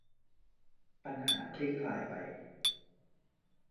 ปัญหาคลี่คลายไป